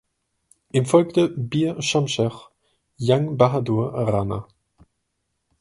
Ihm folgte Bir Shamsher Jang Bahadur Rana.